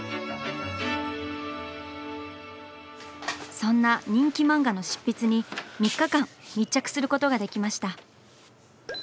そんな人気漫画の執筆に３日間密着することができました。